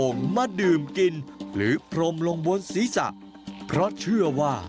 มาดื่มกินหรือพรมลงบนศีรษะเพราะเชื่อว่า